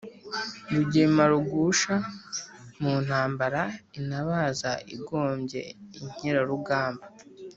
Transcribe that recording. Rugema rugusha mu ntambara intabaza igombye inkerarugamba,